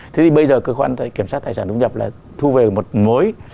thế thì bây giờ cơ quan kiểm soát tài sản thu nhập là thu về một mối